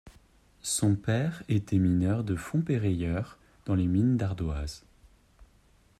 Son père était mineur de fond-perreyeur dans les mines d’ardoises.